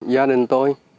gia đình tôi